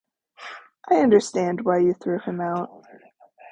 I understand why you threw him out.